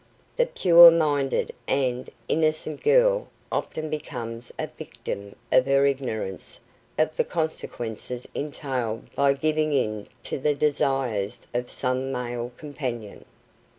The pure minded and innocent girl often becomes a victim of her ignorance of the consequences entailed by giving in to the desires of some male companion.